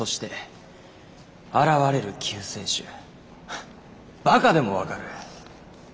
ハッバカでも分かる。